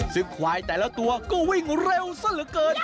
ซึ่งควายแต่ละตัวก็วิ่งเร็วซะเหลือเกิน